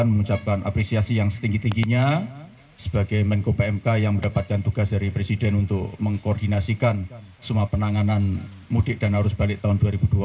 mengucapkan apresiasi yang setinggi tingginya sebagai menko pmk yang mendapatkan tugas dari presiden untuk mengkoordinasikan semua penanganan mudik dan arus balik tahun dua ribu dua puluh